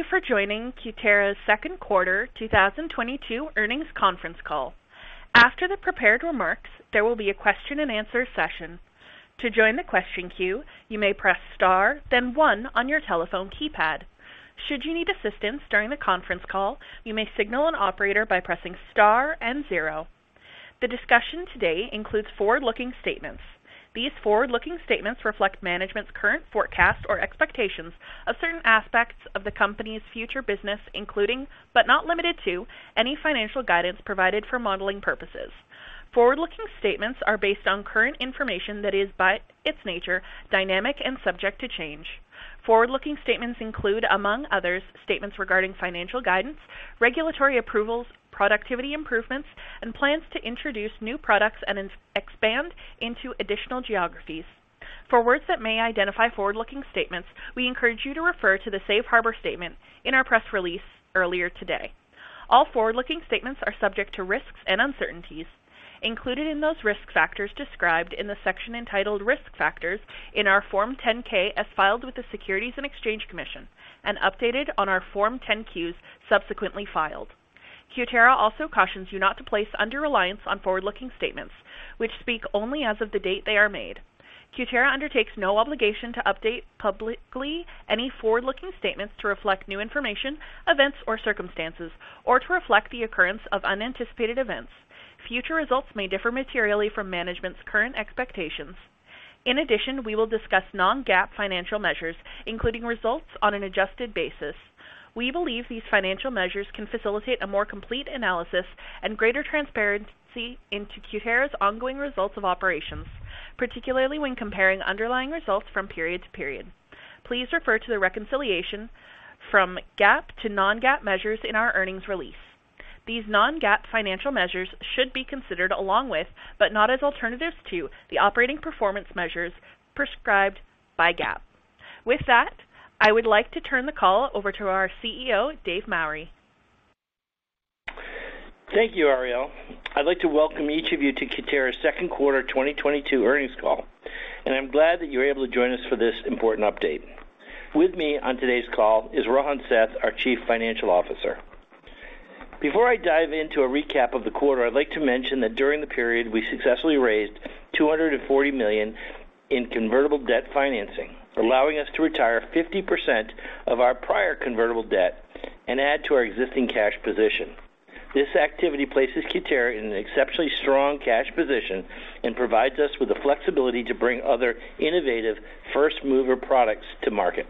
Thank you for joining Cutera's second quarter 2022 earnings conference call. After the prepared remarks, there will be a question-and-answer session. To join the question queue, you may press star then one on your telephone keypad. Should you need assistance during the conference call, you may signal an operator by pressing star and zero. The discussion today includes forward-looking statements. These forward-looking statements reflect management's current forecasts or expectations of certain aspects of the company's future business, including, but not limited to, any financial guidance provided for modeling purposes. Forward-looking statements are based on current information that is, by its nature, dynamic and subject to change. Forward-looking statements include, among others, statements regarding financial guidance, regulatory approvals, productivity improvements, and plans to introduce new products and expand into additional geographies. For words that may identify forward-looking statements, we encourage you to refer to the safe harbor statement in our press release earlier today. All forward-looking statements are subject to risks and uncertainties included in those risk factors described in the section entitled Risk Factors in our Form 10-K as filed with the Securities and Exchange Commission and updated on our Form 10-Q subsequently filed. Cutera also cautions you not to place undue reliance on forward-looking statements which speak only as of the date they are made. Cutera undertakes no obligation to update publicly any forward-looking statements to reflect new information, events, or circumstances, or to reflect the occurrence of unanticipated events. Future results may differ materially from management's current expectations. In addition, we will discuss non-GAAP financial measures, including results on an adjusted basis. We believe these financial measures can facilitate a more complete analysis and greater transparency into Cutera's ongoing results of operations, particularly when comparing underlying results from period to period. Please refer to the reconciliation from GAAP to non-GAAP measures in our earnings release. These non-GAAP financial measures should be considered along with, but not as alternatives to, the operating performance measures prescribed by GAAP. With that, I would like to turn the call over to our CEO, Dave Mowry. Thank you, Ariel. I'd like to welcome each of you to Cutera's second quarter 2022 earnings call, and I'm glad that you're able to join us for this important update. With me on today's call is Rohan Seth, our Chief Financial Officer. Before I dive into a recap of the quarter, I'd like to mention that during the period we successfully raised $240 million in convertible debt financing, allowing us to retire 50% of our prior convertible debt and add to our existing cash position. This activity places Cutera in an exceptionally strong cash position and provides us with the flexibility to bring other innovative first-mover products to market.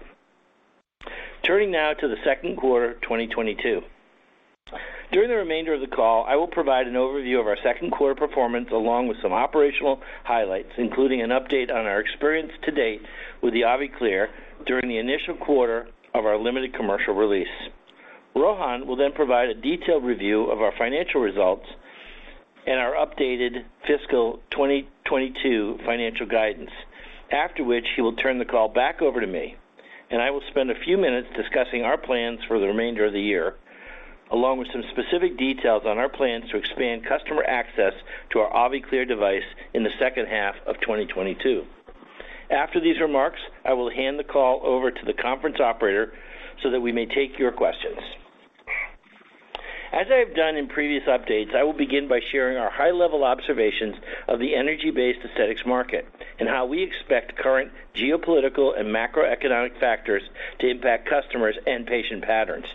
Turning now to the second quarter 2022. During the remainder of the call, I will provide an overview of our second quarter performance along with some operational highlights, including an update on our experience to date with the AviClear during the initial quarter of our limited commercial release. Rohan will then provide a detailed review of our financial results and our updated fiscal 2022 financial guidance. After which he will turn the call back over to me, and I will spend a few minutes discussing our plans for the remainder of the year, along with some specific details on our plans to expand customer access to our AviClear device in the second half of 2022. After these remarks, I will hand the call over to the conference operator so that we may take your questions. As I have done in previous updates, I will begin by sharing our high-level observations of the energy-based aesthetics market and how we expect current geopolitical and macroeconomic factors to impact customers and patient patterns.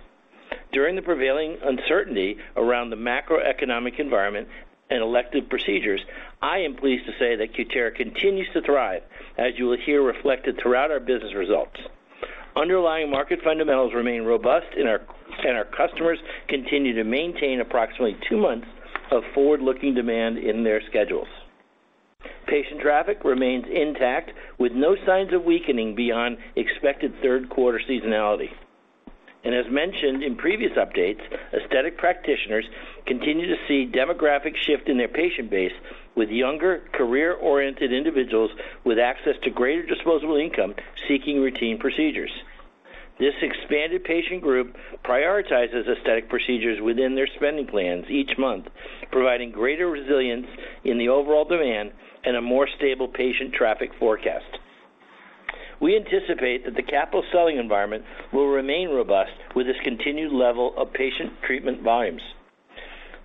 During the prevailing uncertainty around the macroeconomic environment and elective procedures, I am pleased to say that Cutera continues to thrive, as you will hear reflected throughout our business results. Underlying market fundamentals remain robust, and our customers continue to maintain approximately two months of forward-looking demand in their schedules. Patient traffic remains intact, with no signs of weakening beyond expected third quarter seasonality. As mentioned in previous updates, aesthetic practitioners continue to see demographic shift in their patient base with younger career-oriented individuals with access to greater disposable income seeking routine procedures. This expanded patient group prioritizes aesthetic procedures within their spending plans each month, providing greater resilience in the overall demand and a more stable patient traffic forecast. We anticipate that the capital selling environment will remain robust with this continued level of patient treatment volumes.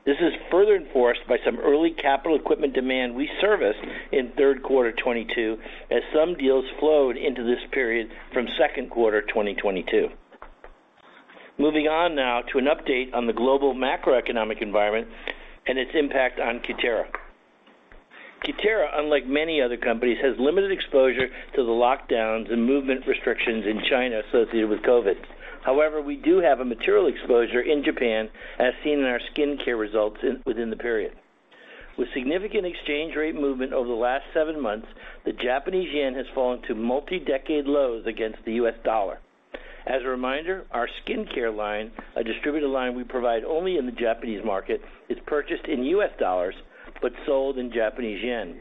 This is further enforced by some early capital equipment demand we serviced in third quarter 2022 as some deals flowed into this period from second quarter 2022. Moving on now to an update on the global macroeconomic environment and its impact on Cutera. Cutera, unlike many other companies, has limited exposure to the lockdowns and movement restrictions in China associated with COVID. However, we do have a material exposure in Japan, as seen in our skincare results within the period. With significant exchange rate movement over the last seven months, the Japanese yen has fallen to multi-decade lows against the U.S. dollar. As a reminder, our skincare line, a distributor line we provide only in the Japanese market, is purchased in U.S. dollars but sold in Japanese yen.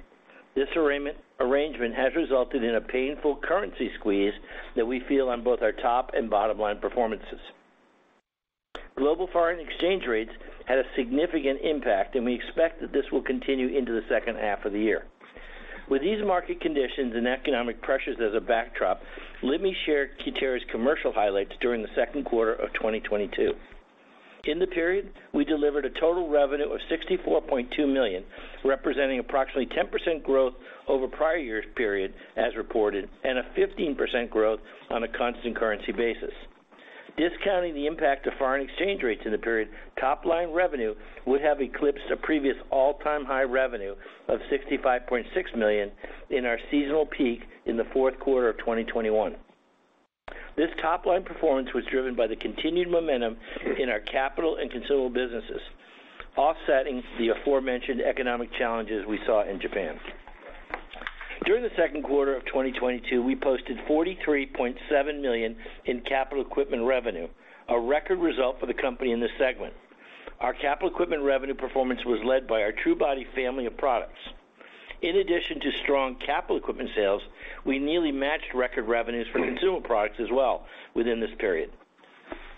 This arrangement has resulted in a painful currency squeeze that we feel on both our top and bottom line performances. Global foreign exchange rates had a significant impact, and we expect that this will continue into the second half of the year. With these market conditions and economic pressures as a backdrop, let me share Cutera's commercial highlights during the second quarter of 2022. In the period, we delivered a total revenue of $64.2 million, representing approximately 10% growth over prior year's period as reported, and a 15% growth on a constant currency basis. Discounting the impact of foreign exchange rates in the period, top line revenue would have eclipsed a previous all-time high revenue of $65.6 million in our seasonal peak in the fourth quarter of 2021. This top line performance was driven by the continued momentum in our capital and consumable businesses, offsetting the aforementioned economic challenges we saw in Japan. During the second quarter of 2022, we posted $43.7 million in capital equipment revenue, a record result for the company in this segment. Our capital equipment revenue performance was led by our truBody family of products. In addition to strong capital equipment sales, we nearly matched record revenues for consumable products as well within this period.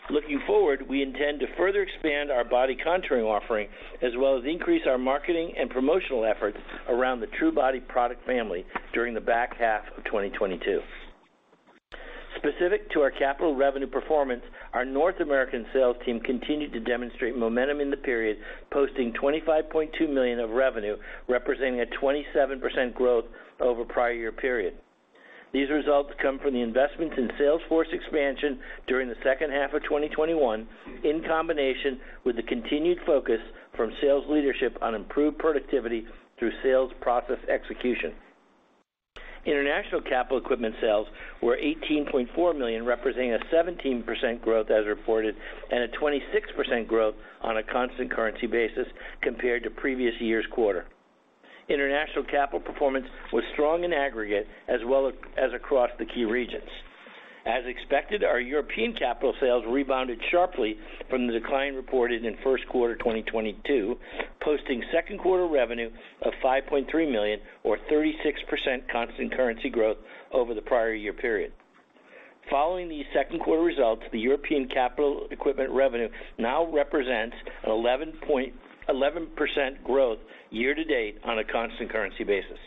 Looking forward, we intend to further expand our body contouring offering, as well as increase our marketing and promotional efforts around the truBody product family during the back half of 2022. Specific to our capital revenue performance, our North American sales team continued to demonstrate momentum in the period, posting $25.2 million of revenue, representing a 27% growth over prior year period. These results come from the investments in sales force expansion during the second half of 2021, in combination with the continued focus from sales leadership on improved productivity through sales process execution. International capital equipment sales were $18.4 million, representing a 17% growth as reported, and a 26% growth on a constant currency basis compared to previous year's quarter. International capital performance was strong in aggregate, as well as across the key regions. As expected, our European capital sales rebounded sharply from the decline reported in first quarter 2022, posting second quarter revenue of $5.3 million, or 36% constant currency growth over the prior year period. Following these second quarter results, the European capital equipment revenue now represents an 11% growth year to date on a constant currency basis.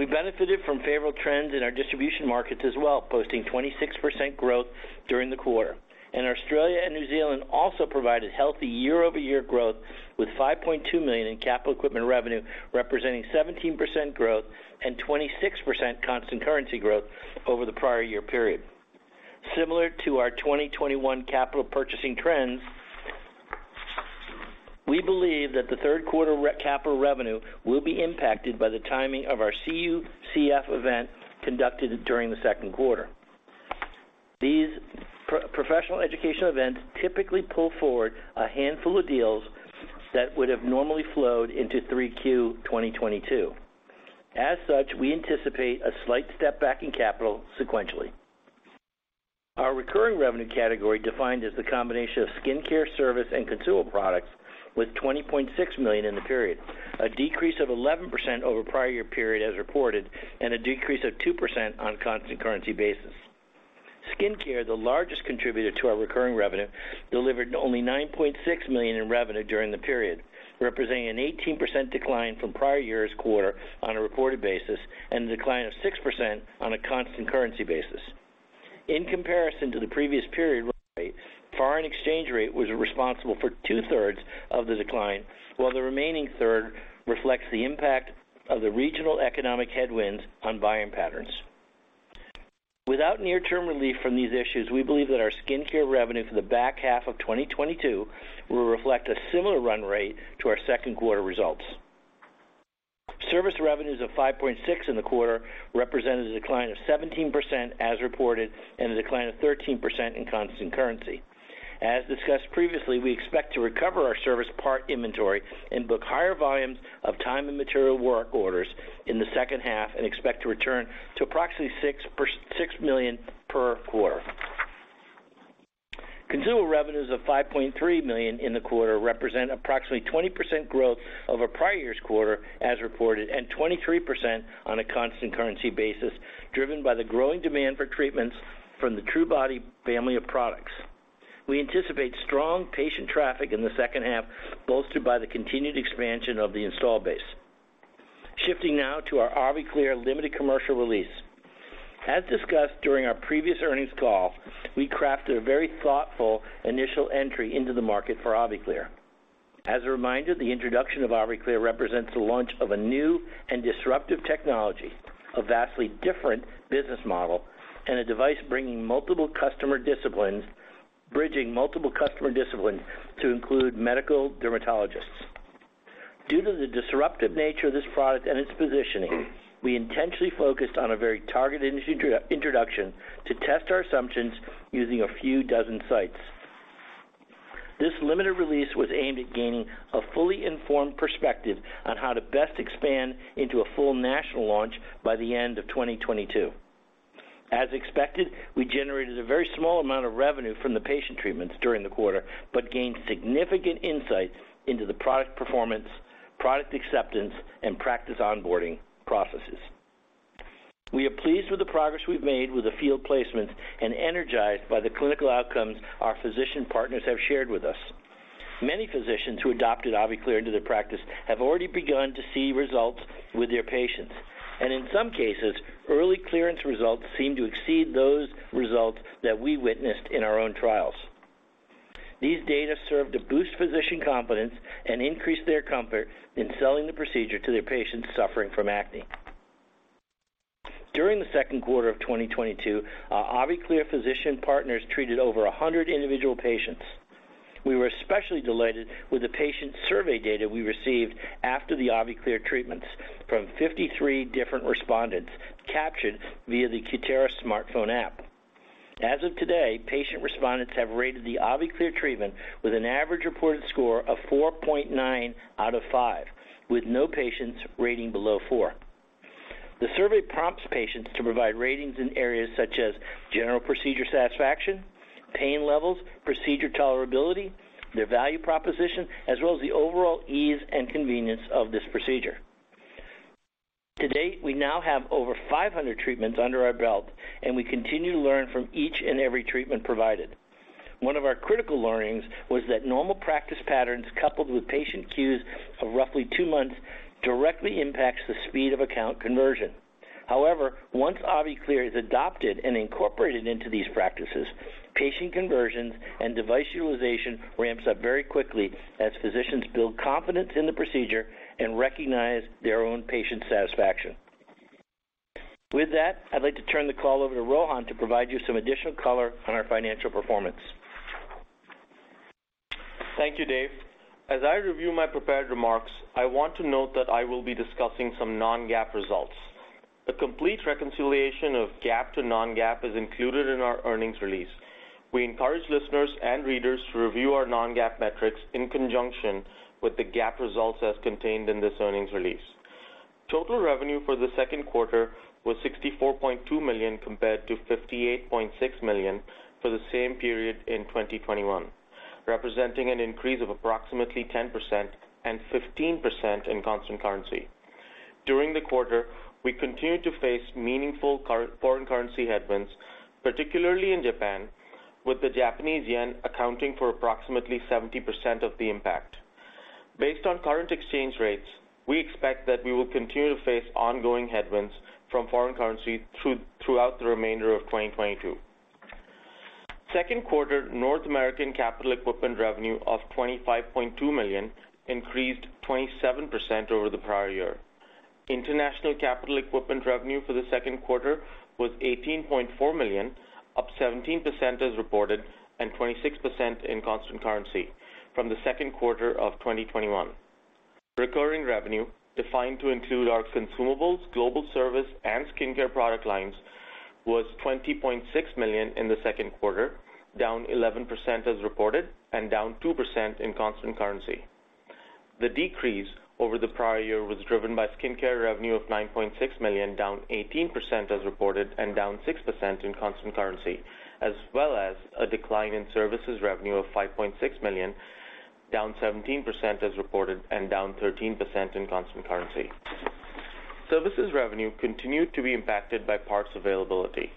We benefited from favorable trends in our distribution markets as well, posting 26% growth during the quarter. Australia and New Zealand also provided healthy year-over-year growth with $5.2 million in capital equipment revenue, representing 17% growth and 26% constant currency growth over the prior year period. Similar to our 2021 capital purchasing trends, we believe that the third quarter capital revenue will be impacted by the timing of our CUCF event conducted during the second quarter. These professional education events typically pull forward a handful of deals that would have normally flowed into Q3 2022. As such, we anticipate a slight step back in capital sequentially. Our recurring revenue category defined as the combination of skin care service and consumable products with $20.6 million in the period, a decrease of 11% over prior year period as reported, and a decrease of 2% on constant currency basis. Skin care, the largest contributor to our recurring revenue, delivered only $9.6 million in revenue during the period, representing an 18% decline from prior year's quarter on a reported basis, and a decline of 6% on a constant currency basis. In comparison to the previous period rate, foreign exchange rate was responsible for two-thirds of the decline, while the remaining third reflects the impact of the regional economic headwinds on buying patterns. Without near-term relief from these issues, we believe that our skin care revenue for the back half of 2022 will reflect a similar run rate to our second quarter results. Service revenues of $5.6 million in the quarter represented a decline of 17% as reported, and a decline of 13% in constant currency. As discussed previously, we expect to recover our service part inventory and book higher volumes of time and material work orders in the second half and expect to return to approximately $6 million per quarter. Consumable revenues of $5.3 million in the quarter represent approximately 20% growth over prior year's quarter as reported, and 23% on a constant currency basis, driven by the growing demand for treatments from the truBody family of products. We anticipate strong patient traffic in the second half, bolstered by the continued expansion of the install base. Shifting now to our AviClear limited commercial release. As discussed during our previous earnings call, we crafted a very thoughtful initial entry into the market for AviClear. As a reminder, the introduction of AviClear represents the launch of a new and disruptive technology, a vastly different business model, and a device bringing multiple customer disciplines, bridging multiple customer disciplines to include medical dermatologists. Due to the disruptive nature of this product and its positioning, we intentionally focused on a very targeted introduction to test our assumptions using a few dozen sites. This limited release was aimed at gaining a fully informed perspective on how to best expand into a full national launch by the end of 2022. As expected, we generated a very small amount of revenue from the patient treatments during the quarter, but gained significant insights into the product performance, product acceptance, and practice onboarding processes. We are pleased with the progress we've made with the field placements and energized by the clinical outcomes our physician partners have shared with us. Many physicians who adopted AviClear into their practice have already begun to see results with their patients, and in some cases, early clearance results seem to exceed those results that we witnessed in our own trials. These data serve to boost physician confidence and increase their comfort in selling the procedure to their patients suffering from acne. During the second quarter of 2022, our AviClear physician partners treated over 100 individual patients. We were especially delighted with the patient survey data we received after the AviClear treatments from 53 different respondents captured via the Cutera smartphone app. As of today, patient respondents have rated the AviClear treatment with an average reported score of 4.9 out of 5, with no patients rating below 4. The survey prompts patients to provide ratings in areas such as general procedure satisfaction, pain levels, procedure tolerability, their value proposition, as well as the overall ease and convenience of this procedure. To date, we now have over 500 treatments under our belt, and we continue to learn from each and every treatment provided. One of our critical learnings was that normal practice patterns, coupled with patient queues of roughly two months, directly impacts the speed of account conversion. However, once AviClear is adopted and incorporated into these practices, patient conversions and device utilization ramps up very quickly as physicians build confidence in the procedure and recognize their own patient satisfaction. With that, I'd like to turn the call over to Rohan to provide you some additional color on our financial performance. Thank you, Dave. As I review my prepared remarks, I want to note that I will be discussing some non-GAAP results. A complete reconciliation of GAAP to non-GAAP is included in our earnings release. We encourage listeners and readers to review our non-GAAP metrics in conjunction with the GAAP results as contained in this earnings release. Total revenue for the second quarter was $64.2 million, compared to $58.6 million for the same period in 2021, representing an increase of approximately 10% and 15% in constant currency. During the quarter, we continued to face meaningful foreign currency headwinds, particularly in Japan, with the Japanese yen accounting for approximately 70% of the impact. Based on current exchange rates, we expect that we will continue to face ongoing headwinds from foreign currency throughout the remainder of 2022. Second quarter North American capital equipment revenue of $25.2 million increased 27% over the prior year. International capital equipment revenue for the second quarter was $18.4 million, up 17% as reported and 26% in constant currency from the second quarter of 2021. Recurring revenue, defined to include our consumables, global service, and skincare product lines, was $20.6 million in the second quarter, down 11% as reported and down 2% in constant currency. The decrease over the prior year was driven by skincare revenue of $9.6 million, down 18% as reported and down 6% in constant currency, as well as a decline in services revenue of $5.6 million, down 17% as reported and down 13% in constant currency. Services revenue continued to be impacted by parts availability.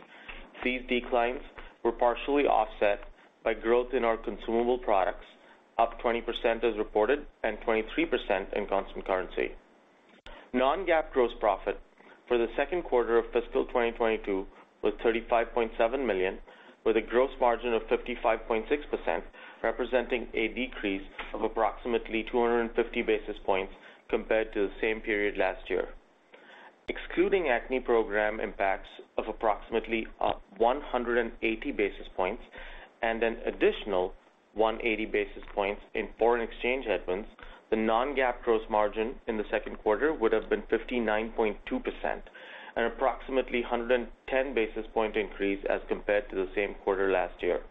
These declines were partially offset by growth in our consumable products, up 20% as reported and 23% in constant currency. Non-GAAP gross profit for the second quarter of fiscal 2022 was $35.7 million, with a gross margin of 55.6%, representing a decrease of approximately 250 basis points compared to the same period last year. Excluding acne program impacts of approximately 180 basis points and an additional 180 basis points in foreign exchange headwinds, the non-GAAP gross margin in the second quarter would have been 59.2%, an approximately 110 basis point increase as compared to the same quarter last year.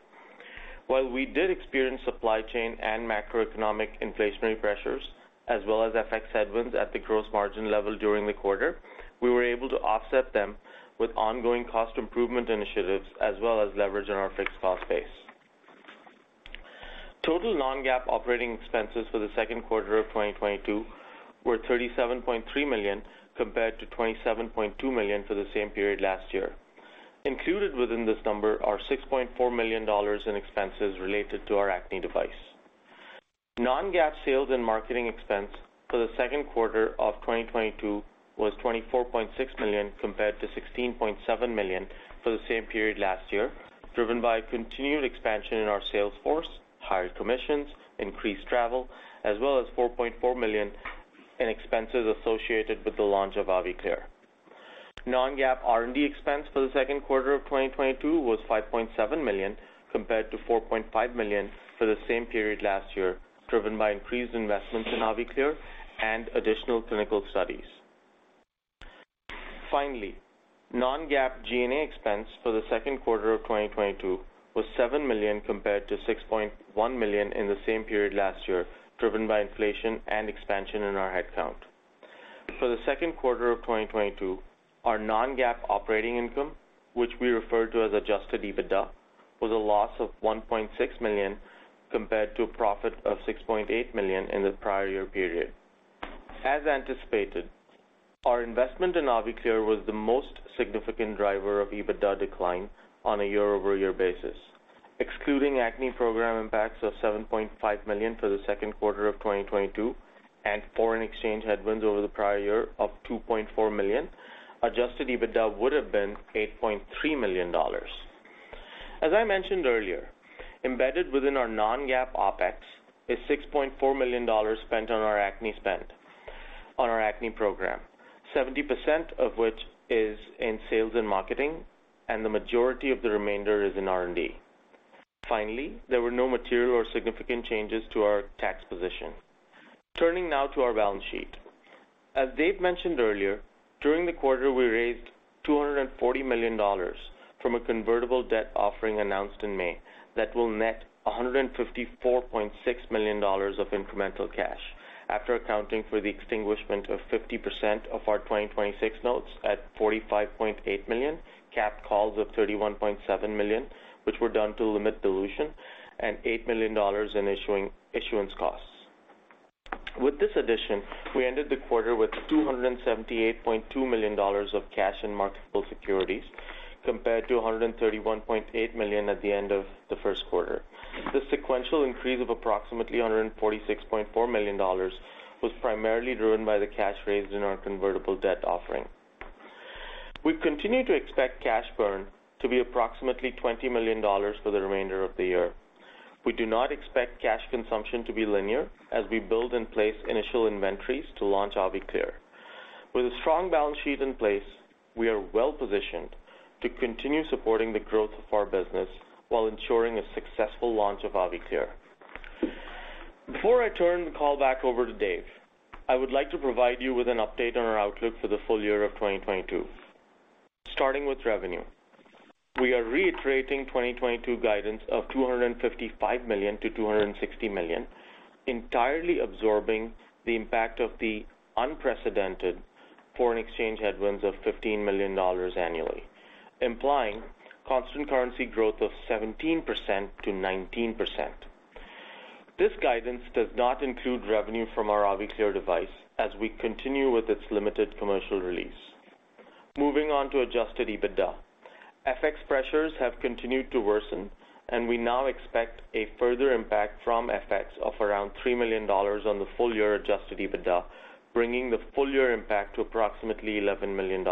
While we did experience supply chain and macroeconomic inflationary pressures, as well as FX headwinds at the gross margin level during the quarter, we were able to offset them with ongoing cost improvement initiatives as well as leverage in our fixed cost base. Total non-GAAP operating expenses for the second quarter of 2022 were $37.3 million, compared to $27.2 million for the same period last year. Included within this number are $6.4 million in expenses related to our acne device. Non-GAAP sales and marketing expense for the second quarter of 2022 was $24.6 million, compared to $16.7 million for the same period last year, driven by continued expansion in our sales force, higher commissions, increased travel, as well as $4.4 million in expenses associated with the launch of AviClear. Non-GAAP R&D expense for the second quarter of 2022 was $5.7 million, compared to $4.5 million for the same period last year, driven by increased investments in AviClear and additional clinical studies. Finally, non-GAAP G&A expense for the second quarter of 2022 was $7 million, compared to $6.1 million in the same period last year, driven by inflation and expansion in our headcount. For the second quarter of 2022, our non-GAAP operating income, which we refer to as adjusted EBITDA, was a loss of $1.6 million compared to a profit of $6.8 million in the prior year period. As anticipated, our investment in AviClear was the most significant driver of EBITDA decline on a year-over-year basis. Excluding acne program impacts of $7.5 million for the second quarter of 2022 and foreign exchange headwinds over the prior year of $2.4 million, adjusted EBITDA would have been $8.3 million. As I mentioned earlier, embedded within our non-GAAP OpEx is $6.4 million spent on our acne program, 70% of which is in sales and marketing, and the majority of the remainder is in R&D. Finally, there were no material or significant changes to our tax position. Turning now to our balance sheet. As Dave mentioned earlier, during the quarter, we raised $240 million from a convertible debt offering announced in May that will net $154.6 million of incremental cash after accounting for the extinguishment of 50% of our 2026 notes at $45.8 million, capped calls of $31.7 million, which were done to limit dilution, and $8 million in issuance costs. With this addition, we ended the quarter with $278.2 million of cash and marketable securities compared to $131.8 million at the end of the first quarter. The sequential increase of approximately $146.4 million was primarily driven by the cash raised in our convertible debt offering. We continue to expect cash burn to be approximately $20 million for the remainder of the year. We do not expect cash consumption to be linear as we build and place initial inventories to launch AviClear. With a strong balance sheet in place, we are well positioned to continue supporting the growth of our business while ensuring a successful launch of AviClear. Before I turn the call back over to Dave, I would like to provide you with an update on our outlook for the full year of 2022. Starting with revenue, we are reiterating 2022 guidance of $255 million-$260 million, entirely absorbing the impact of the unprecedented foreign exchange headwinds of $15 million annually, implying constant currency growth of 17%-19%. This guidance does not include revenue from our AviClear device as we continue with its limited commercial release. Moving on to adjusted EBITDA, FX pressures have continued to worsen, and we now expect a further impact from FX of around $3 million on the full year adjusted EBITDA, bringing the full year impact to approximately $11 million.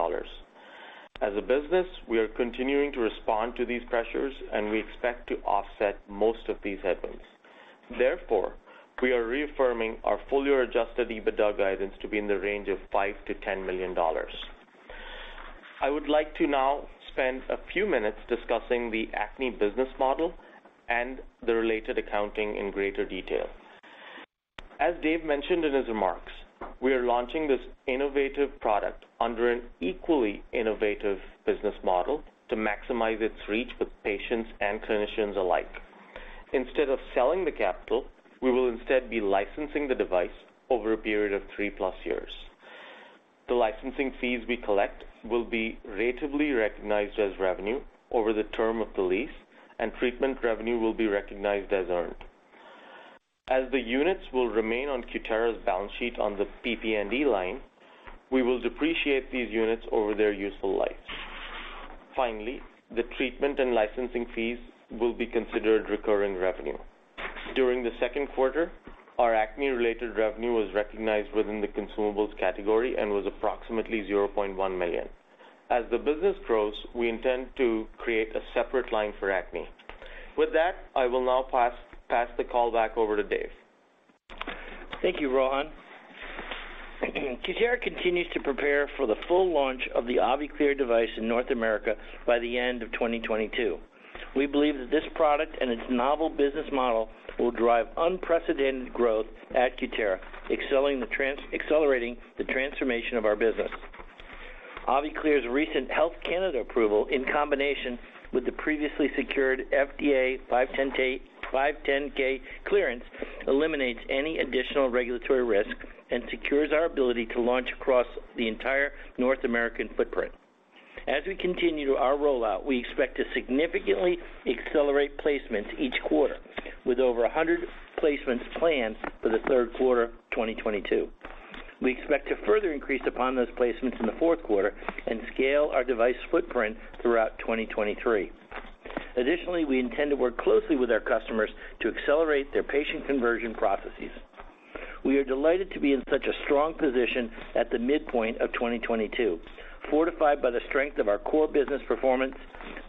As a business, we are continuing to respond to these pressures, and we expect to offset most of these headwinds. Therefore, we are reaffirming our full year adjusted EBITDA guidance to be in the range of $5 million-$10 million. I would like to now spend a few minutes discussing the acne business model and the related accounting in greater detail. As Dave mentioned in his remarks, we are launching this innovative product under an equally innovative business model to maximize its reach with patients and clinicians alike. Instead of selling the capital, we will instead be licensing the device over a period of three plus years. The licensing fees we collect will be ratably recognized as revenue over the term of the lease, and treatment revenue will be recognized as earned. As the units will remain on Cutera's balance sheet on the PP&E line, we will depreciate these units over their useful life. Finally, the treatment and licensing fees will be considered recurring revenue. During the second quarter, our acne-related revenue was recognized within the consumables category and was approximately $0.1 million. As the business grows, we intend to create a separate line for acne. With that, I will now pass the call back over to Dave. Thank you, Rohan. Cutera continues to prepare for the full launch of the AviClear device in North America by the end of 2022. We believe that this product and its novel business model will drive unprecedented growth at Cutera, accelerating the transformation of our business. AviClear's recent Health Canada approval, in combination with the previously secured FDA 510(k) clearance, eliminates any additional regulatory risk and secures our ability to launch across the entire North American footprint. As we continue our rollout, we expect to significantly accelerate placements each quarter with over 100 placements planned for the third quarter 2022. We expect to further increase upon those placements in the fourth quarter and scale our device footprint throughout 2023. Additionally, we intend to work closely with our customers to accelerate their patient conversion processes. We are delighted to be in such a strong position at the midpoint of 2022, fortified by the strength of our core business performance,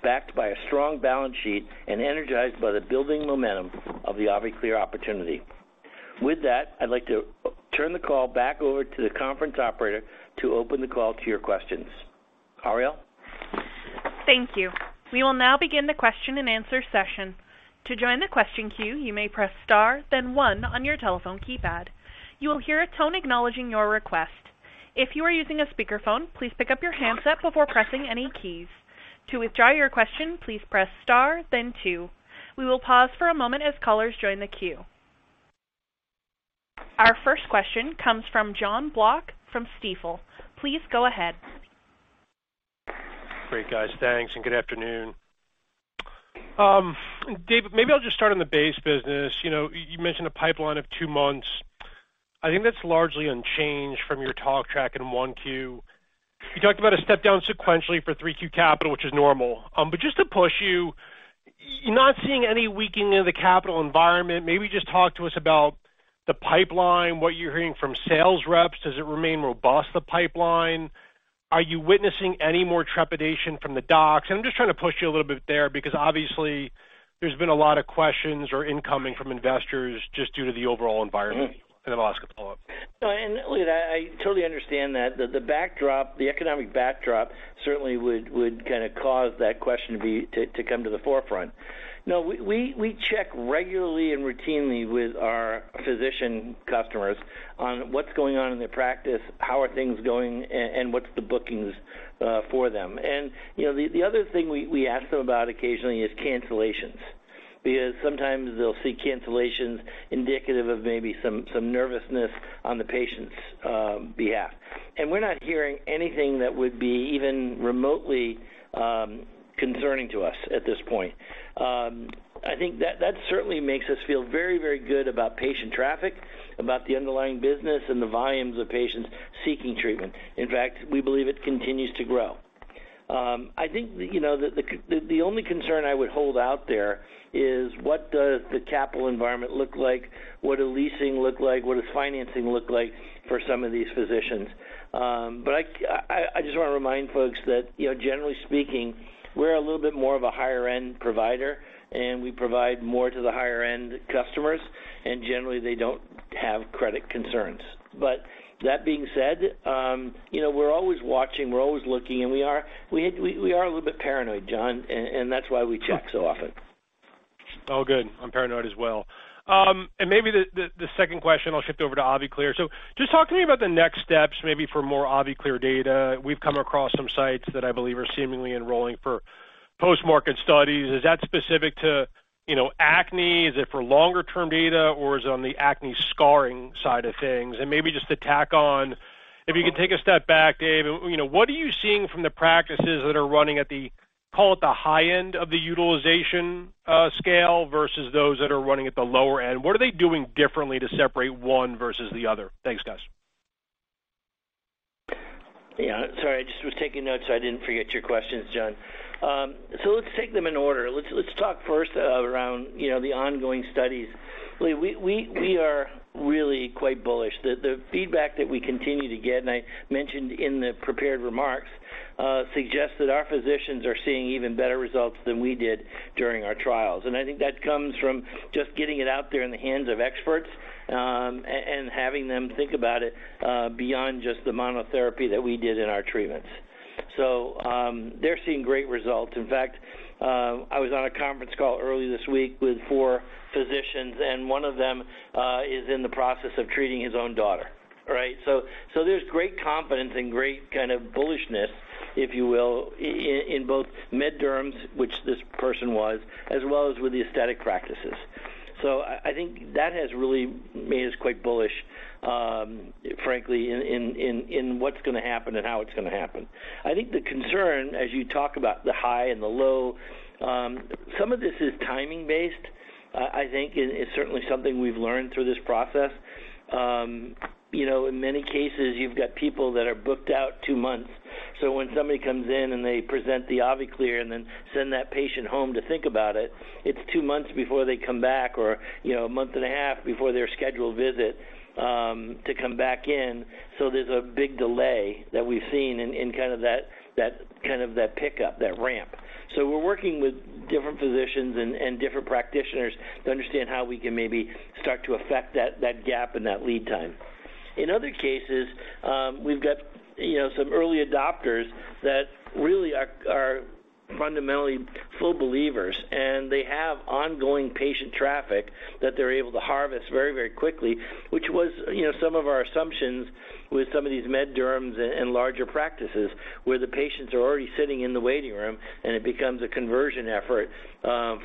backed by a strong balance sheet, and energized by the building momentum of the AviClear opportunity. With that, I'd like to turn the call back over to the conference operator to open the call to your questions. Ariel? Thank you. We will now begin the question-and-answer session. To join the question queue, you may press star, then one on your telephone keypad. You will hear a tone acknowledging your request. If you are using a speakerphone, please pick up your handset before pressing any keys. To withdraw your question, please press star, then two. We will pause for a moment as callers join the queue. Our first question comes from Jon Block from Stifel. Please go ahead. Great, guys. Thanks, and good afternoon. Dave, maybe I'll just start on the base business. You know, you mentioned a pipeline of two months. I think that's largely unchanged from your talk track in 1Q. You talked about a step down sequentially for 3Q capital, which is normal. Just to push you're not seeing any weakening of the capital environment. Maybe just talk to us about the pipeline, what you're hearing from sales reps. Does it remain robust, the pipeline? Are you witnessing any more trepidation from the docs? I'm just trying to push you a little bit there because obviously there's been a lot of questions or incoming from investors just due to the overall environment. I'll ask a follow-up. No, look, I totally understand that. The backdrop, the economic backdrop certainly would kinda cause that question to come to the forefront. No, we check regularly and routinely with our physician customers on what's going on in their practice, how are things going, and what's the bookings for them. You know, the other thing we ask them about occasionally is cancellations. Because sometimes they'll see cancellations indicative of maybe some nervousness on the patient's behalf. We're not hearing anything that would be even remotely concerning to us at this point. I think that certainly makes us feel very good about patient traffic, about the underlying business and the volumes of patients seeking treatment. In fact, we believe it continues to grow. I think, you know, the only concern I would hold out there is what does the capital environment look like? What does leasing look like? What does financing look like for some of these physicians? But I just wanna remind folks that, you know, generally speaking, we're a little bit more of a higher end provider, and we provide more to the higher end customers, and generally they don't have credit concerns. But that being said, you know, we're always watching, we're always looking, and we are a little bit paranoid, Jon, and that's why we check so often. All good. I'm paranoid as well. Maybe the second question, I'll shift over to AviClear. Just talk to me about the next steps, maybe for more AviClear data. We've come across some sites that I believe are seemingly enrolling for post-market studies. Is that specific to, you know, acne? Is it for longer-term data, or is it on the acne scarring side of things? Maybe just to tack on, if you can take a step back, Dave, you know, what are you seeing from the practices that are running at the, call it the high end of the utilization scale versus those that are running at the lower end? What are they doing differently to separate one versus the other? Thanks, guys. Yeah. Sorry, I just was taking notes. I didn't forget your questions, John. Let's take them in order. Let's talk first around, you know, the ongoing studies. We are really quite bullish. The feedback that we continue to get, and I mentioned in the prepared remarks, suggests that our physicians are seeing even better results than we did during our trials. I think that comes from just getting it out there in the hands of experts, and having them think about it, beyond just the monotherapy that we did in our treatments. They're seeing great results. In fact, I was on a conference call earlier this week with four physicians, and one of them is in the process of treating his own daughter. All right? There's great confidence and great kind of bullishness, if you will, in both med derms, which this person was, as well as with the aesthetic practices. I think that has really made us quite bullish, frankly, in what's gonna happen and how it's gonna happen. I think the concern as you talk about the high and the low, some of this is timing based. I think it's certainly something we've learned through this process. You know, in many cases you've got people that are booked out two months. When somebody comes in and they present the AviClear and then send that patient home to think about it's two months before they come back or, you know, a month and a half before their scheduled visit to come back in. There's a big delay that we've seen in kind of that pickup, that ramp. We're working with different physicians and different practitioners to understand how we can maybe start to affect that gap and that lead time. In other cases, we've got, you know, some early adopters that really are fundamentally full believers, and they have ongoing patient traffic that they're able to harvest very quickly, which was, you know, some of our assumptions with some of these med-derms and larger practices where the patients are already sitting in the waiting room and it becomes a conversion effort,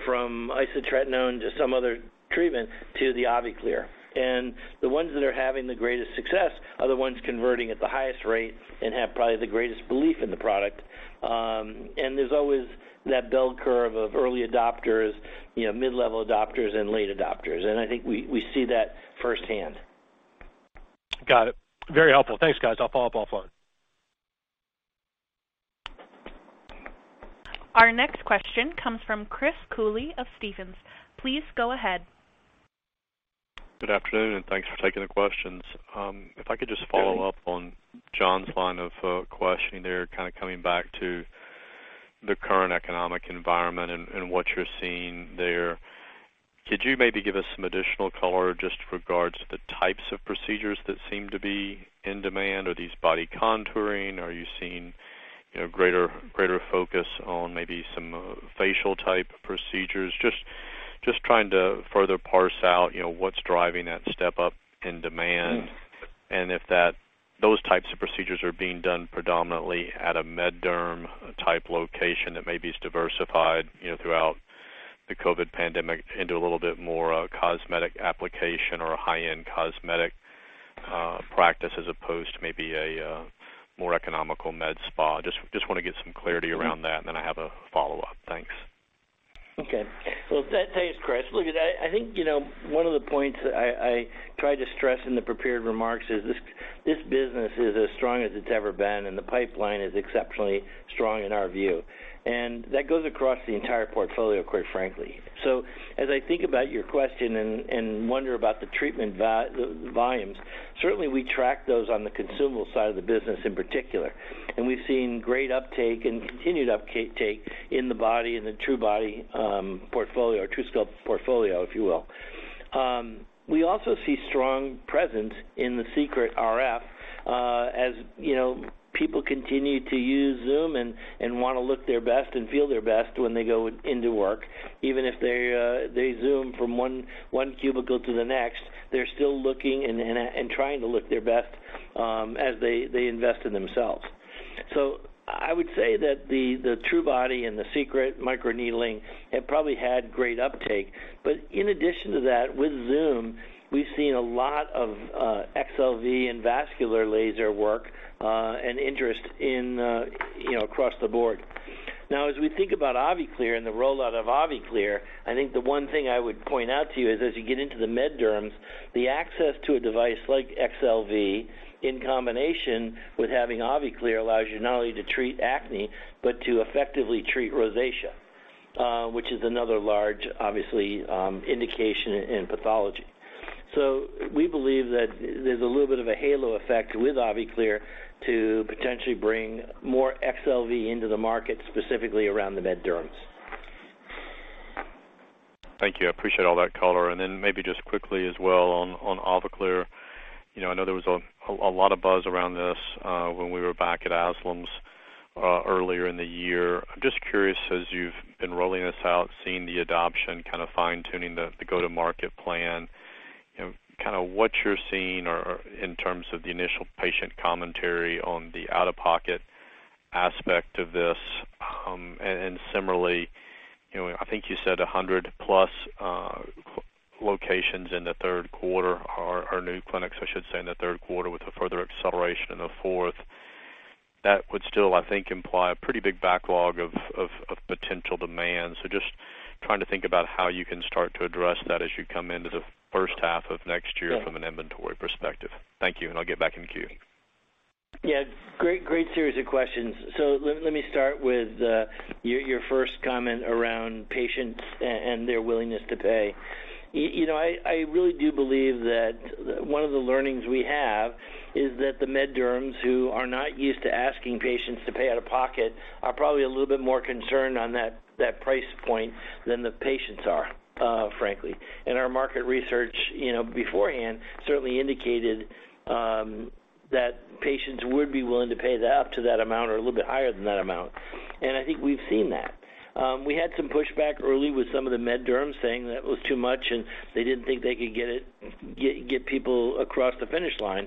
from isotretinoin to some other treatment to the AviClear. The ones that are having the greatest success are the ones converting at the highest rate and have probably the greatest belief in the product. There's always that bell curve of early adopters, you know, mid-level adopters and late adopters. I think we see that firsthand. Got it. Very helpful. Thanks, guys. I'll follow up offline. Our next question comes from Chris Cooley of Stephens. Please go ahead. Good afternoon, and thanks for taking the questions. If I could just follow up on Jon line of questioning there, kind of coming back to the current economic environment and what you're seeing there. Could you maybe give us some additional color just regards to the types of procedures that seem to be in demand? Are these body contouring? Are you seeing, you know, greater focus on maybe some facial type procedures? Just trying to further parse out, you know, what's driving that step up in demand. If that, those types of procedures are being done predominantly at a med derm type location that maybe is diversified, you know, throughout the COVID pandemic into a little bit more cosmetic application or a high-end cosmetic practice as opposed to maybe a more economical med spa. Just wanna get some clarity around that, and then I have a follow-up. Thanks. Okay. Well, thanks, Chris. Look, I think, you know, one of the points I tried to stress in the prepared remarks is this business is as strong as it's ever been, and the pipeline is exceptionally strong in our view. That goes across the entire portfolio, quite frankly. As I think about your question and wonder about the treatment volumes, certainly we track those on the consumable side of the business in particular, and we've seen great uptake and continued uptake in the body and the truBody portfolio or truSculpt portfolio, if you will. We also see strong presence in the Secret RF, as, you know, people continue to use Zoom and wanna look their best and feel their best when they go into work. Even if they zoom from one cubicle to the next, they're still looking and trying to look their best, as they invest in themselves. I would say that the truBody and the Secret microneedling have probably had great uptake. In addition to that, with Zoom, we've seen a lot of excel V and vascular laser work, and interest in, you know, across the board. Now, as we think about AviClear and the rollout of AviClear, I think the one thing I would point out to you is as you get into the med derms, the access to a device like excel V in combination with having AviClear allows you not only to treat acne, but to effectively treat rosacea, which is another large, obviously, indication in pathology. We believe that there's a little bit of a halo effect with AviClear to potentially bring more excel V into the market, specifically around the med derms. Thank you. I appreciate all that color. Maybe just quickly as well on AviClear. You know, I know there was a lot of buzz around this, when we were back at ASLMS, earlier in the year. I'm just curious, as you've been rolling this out, seeing the adoption, kind of fine-tuning the go-to-market plan, you know, kinda what you're seeing or in terms of the initial patient commentary on the out-of-pocket aspect of this. Similarly, you know, I think you said 100 plus locations in the third quarter are new clinics, I should say, in the third quarter with a further acceleration in the fourth. That would still, I think, imply a pretty big backlog of potential demand. Just trying to think about how you can start to address that as you come into the first half of next year from an inventory perspective. Thank you, and I'll get back in the queue. Yeah. Great series of questions. Let me start with your first comment around patients and their willingness to pay. You know, I really do believe that one of the learnings we have is that the med derms who are not used to asking patients to pay out of pocket are probably a little bit more concerned on that price point than the patients are, frankly. Our market research, you know, beforehand certainly indicated that patients would be willing to pay up to that amount or a little bit higher than that amount. I think we've seen that. We had some pushback early with some of the med derms saying that it was too much, and they didn't think they could get people across the finish line.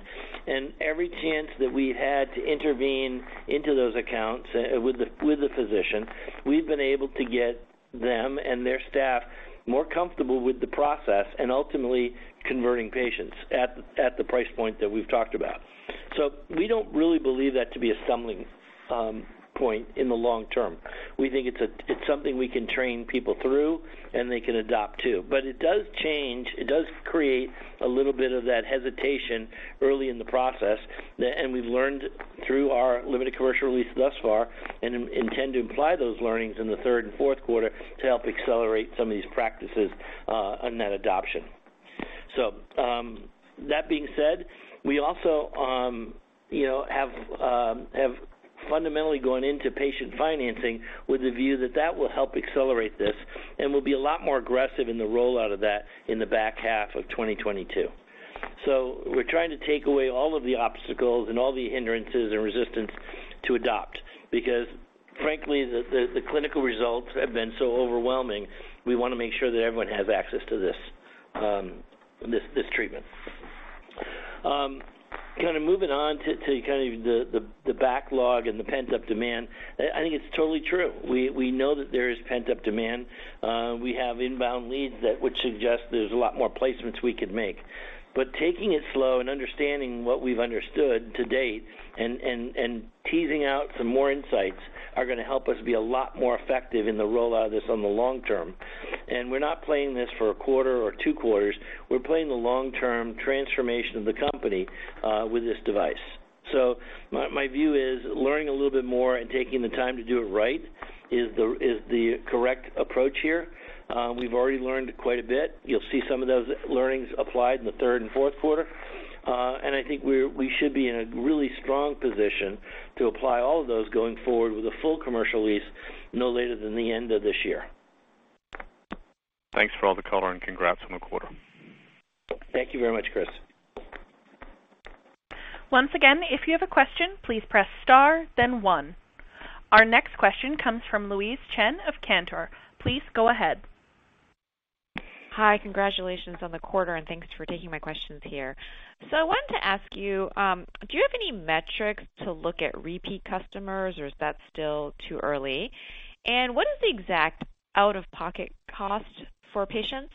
Every chance that we had to intervene into those accounts with the physician, we've been able to get them and their staff more comfortable with the process and ultimately converting patients at the price point that we've talked about. We don't really believe that to be a stumbling point in the long term. We think it's something we can train people through and they can adopt too. It does change, it does create a little bit of that hesitation early in the process. We've learned through our limited commercial release thus far and intend to apply those learnings in the third and fourth quarter to help accelerate some of these practices on that adoption. That being said, we also, you know, have fundamentally gone into patient financing with the view that that will help accelerate this and we'll be a lot more aggressive in the rollout of that in the back half of 2022. We're trying to take away all of the obstacles and all the hindrances and resistance to adopt because frankly, the clinical results have been so overwhelming, we wanna make sure that everyone has access to this treatment. Kinda moving on to kind of the backlog and the pent-up demand, I think it's totally true. We know that there is pent-up demand. We have inbound leads that would suggest there's a lot more placements we could make. Taking it slow and understanding what we've understood to date and teasing out some more insights are gonna help us be a lot more effective in the rollout of this in the long term. We're not playing this for a quarter or two quarters. We're playing the long-term transformation of the company with this device. My view is learning a little bit more and taking the time to do it right is the correct approach here. We've already learned quite a bit. You'll see some of those learnings applied in the third and fourth quarter. I think we should be in a really strong position to apply all of those going forward with a full commercial release no later than the end of this year. Thanks for all the color, and congrats on the quarter. Thank you very much, Chris. Once again, if you have a question, please press star, then one. Our next question comes from Louise Chen of Cantor. Please go ahead. Hi, congratulations on the quarter, and thanks for taking my questions here. I wanted to ask you, do you have any metrics to look at repeat customers or is that still too early? What is the exact out-of-pocket cost for patients?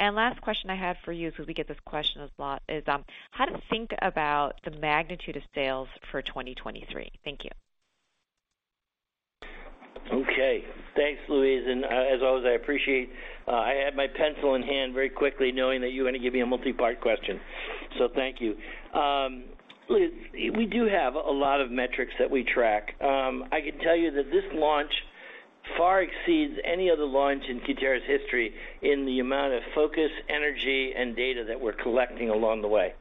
Last question I have for you, because we get this question a lot, is how to think about the magnitude of sales for 2023. Thank you. Okay. Thanks, Louise. As always, I appreciate, I had my pencil in hand very quickly knowing that you're gonna give me a multipart question. Thank you. Louise, we do have a lot of metrics that we track. I can tell you that this launch far exceeds any other launch in Cutera's history in the amount of focus, energy, and data that we're collecting along the way.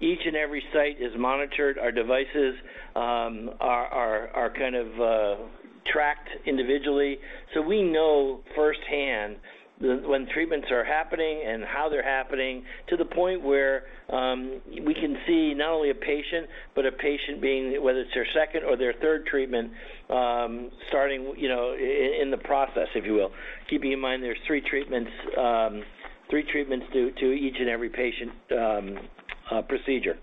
Each and every site is monitored. Our devices are kind of tracked individually. We know firsthand when treatments are happening and how they're happening, to the point where we can see not only a patient, but a patient being, whether it's their second or their third treatment, starting, you know, in the process, if you will. Keeping in mind, there's three treatments to each and every patient procedure.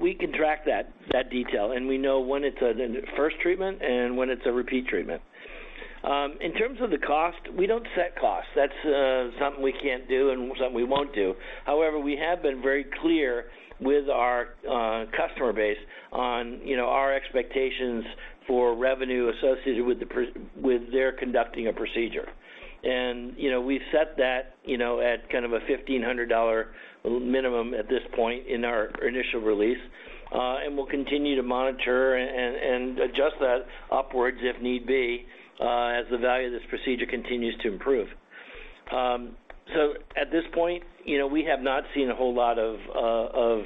We can track that detail, and we know when it's the first treatment and when it's a repeat treatment. In terms of the cost, we don't set costs. That's something we can't do and something we won't do. However, we have been very clear with our customer base on, you know, our expectations for revenue associated with their conducting a procedure. You know, we've set that, you know, at kind of a $1,500 minimum at this point in our initial release. We'll continue to monitor and adjust that upwards if need be, as the value of this procedure continues to improve. At this point, you know, we have not seen a whole lot of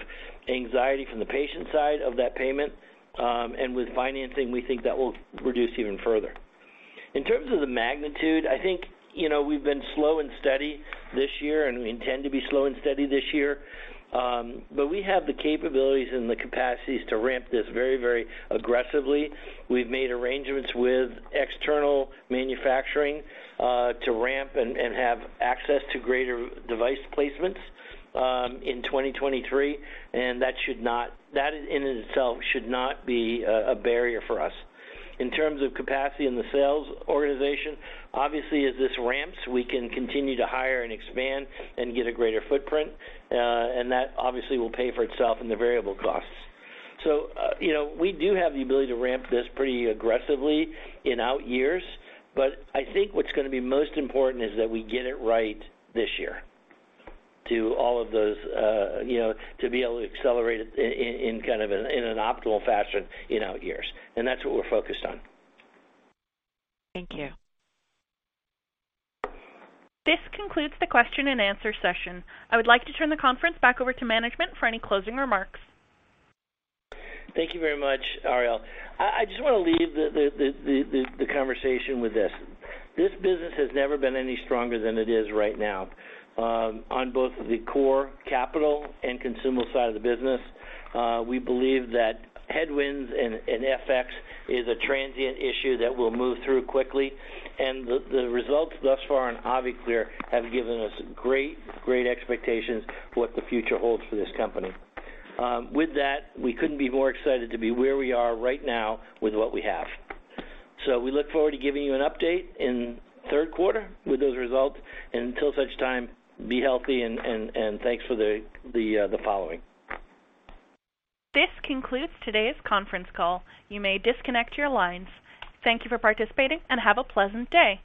anxiety from the patient side of that payment. With financing, we think that will reduce even further. In terms of the magnitude, I think, you know, we've been slow and steady this year, and we intend to be slow and steady this year. We have the capabilities and the capacities to ramp this very, very aggressively. We've made arrangements with external manufacturing to ramp and have access to greater device placements in 2023, and that in itself should not be a barrier for us. In terms of capacity in the sales organization, obviously, as this ramps, we can continue to hire and expand and get a greater footprint, and that obviously will pay for itself in the variable costs. You know, we do have the ability to ramp this pretty aggressively in out years. I think what's gonna be most important is that we get it right this year to all of those, you know, to be able to accelerate it in kind of in an optimal fashion in out years. that's what we're focused on. Thank you. This concludes the question and answer session. I would like to turn the conference back over to management for any closing remarks. Thank you very much, Ariel. I just wanna leave the conversation with this. This business has never been any stronger than it is right now on both the core capital and consumable side of the business. We believe that headwinds and FX is a transient issue that will move through quickly, and the results thus far in AviClear have given us great expectations for what the future holds for this company. With that, we couldn't be more excited to be where we are right now with what we have. We look forward to giving you an update in third quarter with those results. Until such time, be healthy and thanks for the following. This concludes today's conference call. You may disconnect your lines. Thank you for participating and have a pleasant day.